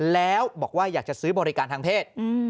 แล้วบอกว่าอยากจะซื้อบริการทางเพศ